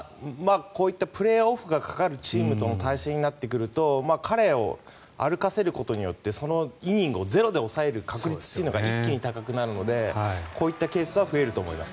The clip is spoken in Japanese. こういったプレーオフがかかるチームとの対戦になってくると彼を歩かせることによってそのイニングをゼロで抑える確率というのが一気に高くなるのでこういったケースは増えると思います。